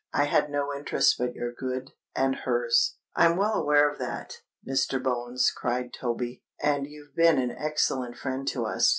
I had no interest but your good—and hers——" "I'm well aware of that, Mr. Bones," cried Toby: "and you've been an excellent friend to us.